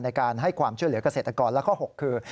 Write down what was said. ในการให้ความช่วยเหลือกเกษตรกรและข้อ๖คือ